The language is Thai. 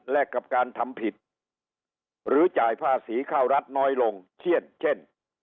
และกับการทำผิดหรือจ่ายภาษีเข้ารัฐน้อยลงเช่นเช่น